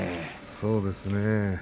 そうですね。